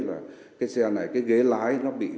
là cái xe này cái ghế lái nó bị